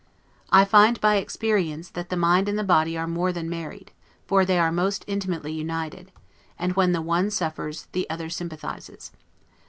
I find by experience, that the mind and the body are more than married, for they are most intimately united; and when the one suffers, the other sympathizes.